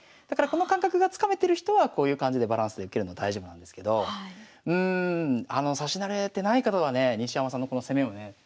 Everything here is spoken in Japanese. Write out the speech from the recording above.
だからこの感覚がつかめてる人はこういう感じでバランスで受けるのは大丈夫なんですけどうん指し慣れてない方はね西山さんのこの攻めをね